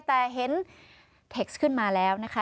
แต่เห็นเท็กซ์ขึ้นมาแล้วนะคะ